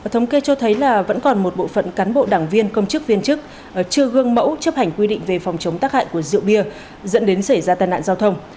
thống kê cho thấy là vẫn còn một bộ phận cán bộ đảng viên công chức viên chức chưa gương mẫu chấp hành quy định về phòng chống tác hại của rượu bia dẫn đến xảy ra tai nạn giao thông